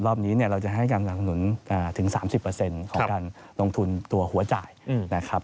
รอบนี้เราจะให้การสนับสนุนถึง๓๐ของการลงทุนตัวหัวจ่ายนะครับ